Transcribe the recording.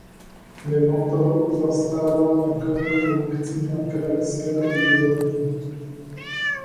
Mimoto zastával několik funkcí na krajské úrovni.